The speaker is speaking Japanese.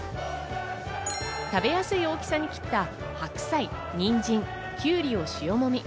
食べやすい大きさに切った白菜、にんじん、きゅうりを塩もみ。